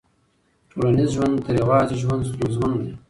ټولنیز ژوند تر يوازي ژوند ستونزمن دی.